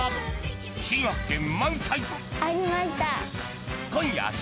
新発見満載！